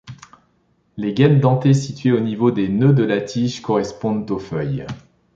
Les gaines dentées situées au niveau des nœuds de la tige correspondent aux feuilles.